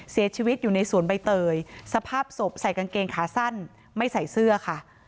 เสียชีวิตอยู่ในสวนใบเตยสภาพศพใส่กางเกงขาสั้นไม่ใส่เสื้อค่ะ